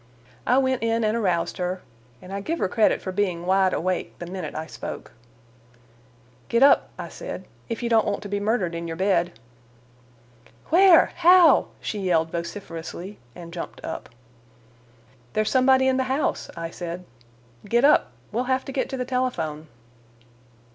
I went in and aroused her, and I give her credit for being wide awake the minute I spoke. "Get up," I said, "if you don't want to be murdered in your bed." "Where? How?" she yelled vociferously, and jumped up. "There's somebody in the house," I said. "Get up. We'll have to get to the telephone."